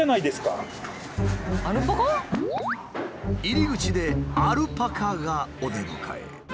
入り口でアルパカがお出迎え。